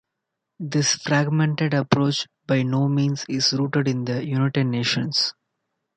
This fragmented approach by no means is rooted in the United Nations.